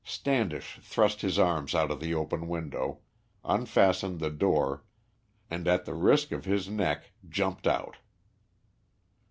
Standish thrust his arm out of the open window, unfastened the door, and at the risk of his neck jumped out.